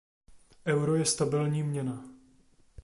Euro je stabilní měna.